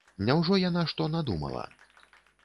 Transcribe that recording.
Няўжо яна што надумала?